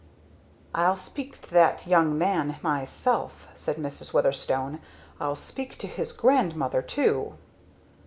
"I'll speak to that young man myself," said Mrs. Weatherstone. "I'll speak to his grandmother too!"